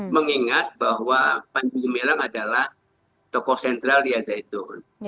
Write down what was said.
mengingat bahwa panji gumilang adalah tokoh sentral di al zaitun